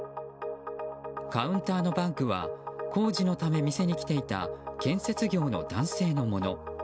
カウンターのバッグは工事のため店に来ていた建設業の男性のもの。